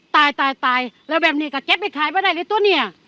ตายตายตายแล้วแบบนี้ก็เจ็บอีกใครไว้ใดละตัวเนี้ย